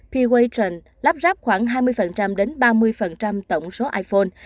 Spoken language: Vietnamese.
p gatron lắp ráp khoảng hai mươi đến ba mươi tổng số iphone